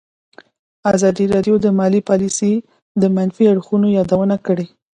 ازادي راډیو د مالي پالیسي د منفي اړخونو یادونه کړې.